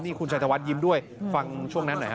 นี่คุณชายธวัฒนยิ้มด้วยฟังช่วงนั้นหน่อยฮ